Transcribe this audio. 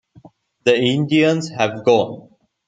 The Indians have gone.